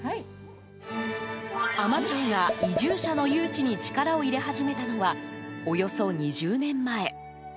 海士町が、移住者の誘致に力を入れ始めたのはおよそ２０年前。